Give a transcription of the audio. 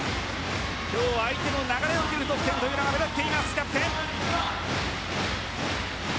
今日相手の流れを切る得点が目立っています、キャプテン。